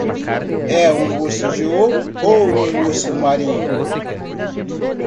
É um urso de ouro ou um urso marinho?